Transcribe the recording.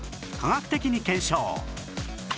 科学的に検証！